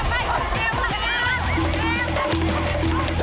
ไปกลัวละเมื่อกลัว